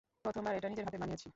প্রথমবার এটা নিজের হাতে বানিয়েছি।